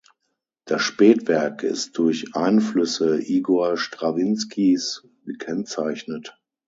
Das Spätwerk ist durch Einflüsse Igor Strawinskys gekennzeichnet.